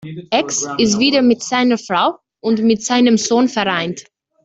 Ecks ist wieder mit seiner Frau und mit seinem Sohn vereint.